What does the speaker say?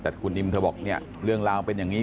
แต่คุณนิมเธอบอกเนี่ยเรื่องราวเป็นอย่างนี้